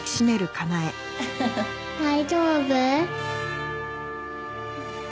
大丈夫？